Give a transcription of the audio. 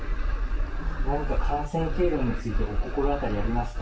何か感染経路について、お心当たりありますか？